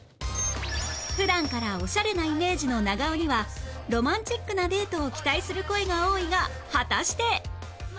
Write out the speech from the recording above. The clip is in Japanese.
普段からオシャレなイメージの長尾にはロマンチックなデートを期待する声が多いが果たして